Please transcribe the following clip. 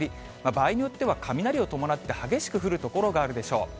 場合によっては、雷を伴って激しく降る所があるでしょう。